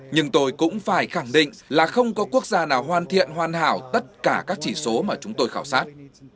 nhưng tôi cũng phải khẳng định là không có quốc gia nào hoàn thiện hoàn hảo tất cả các chỉ số mà chúng tôi khảo sát